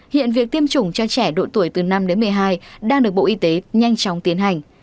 hiện việc tiêm chủng cho trẻ độ tuổi từ năm đến một mươi hai đang được bộ y tế nhanh chóng tiến hành